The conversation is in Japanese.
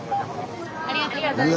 ありがとうございます。